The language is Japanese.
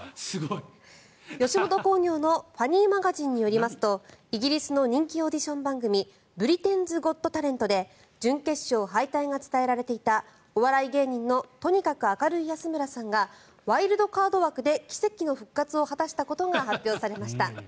吉本興業のＦＡＮＹマガジンによりますとイギリスの人気オーディション番組「ブリテンズ・ゴット・タレント」で準決勝敗退が伝えられていたお笑い芸人のとにかく明るい安村さんがワイルドカード枠で奇跡の復活を果たしたことが発表されました。